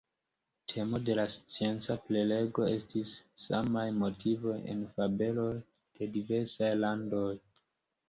Temo de la scienca prelego estis: samaj motivoj en fabeloj de diversaj landoj.